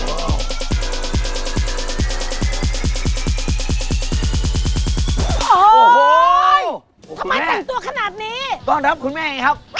โอ้โหทำไมแต่งตัวขนาดนี้ต้อนรับคุณแม่ไงครับ